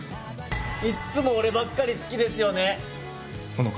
いっつも俺ばっかり好きですよね。